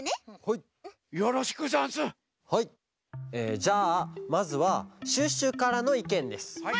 じゃあまずはシュッシュからのいけんです。